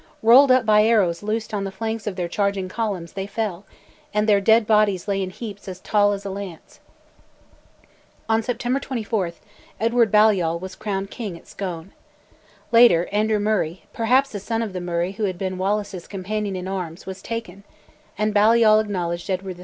Rolled up by arrows loosed on the flanks of their charging columns, they fell, and their dead bodies lay in heaps as tall as a lance. On September 24, Edward Balliol was crowned King at Scone. Later, Andrew Murray, perhaps a son of the Murray who had been Wallace's companion in arms, was taken, and Balliol acknowledged Edward III.